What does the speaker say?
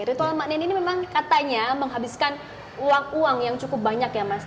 ritual mak nen ini memang katanya menghabiskan uang uang yang cukup banyak ya mas